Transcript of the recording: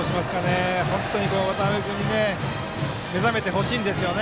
本当は渡邉君に目覚めてほしいんですよね。